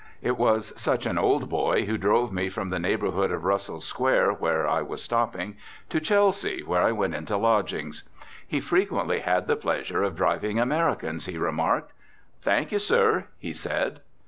It was such an old boy who drove me from the neighbourhood of Russell Square, where I was stopping, to Chelsea, where I went into lodgings. He frequently had the pleasure of driving Americans, he remarked. "Thank you, sir," he said.